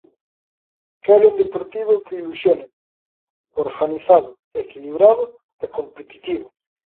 Quere un Deportivo que ilusione, organizado, equilibrado e competitivo.